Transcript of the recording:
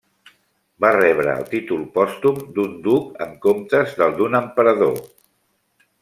Va rebre el títol pòstum d'un duc en comptes del d'un emperador.